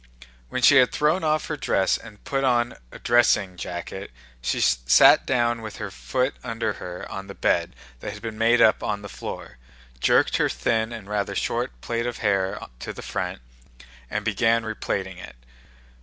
When she had thrown off her dress and put on a dressing jacket, she sat down with her foot under her on the bed that had been made up on the floor, jerked her thin and rather short plait of hair to the front, and began replaiting it.